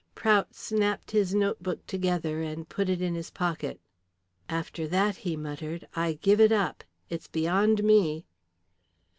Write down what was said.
Prout snapped his note book together and put it in his pocket. "After that," he muttered, "I give it up; it's beyond me."